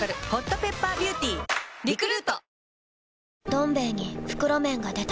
「どん兵衛」に袋麺が出た